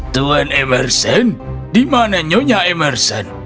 tuan emerson dimananya emerson